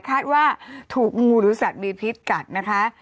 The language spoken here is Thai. คาดว่าถูกงูหรือสัตว์มีพิษกัดนะคะ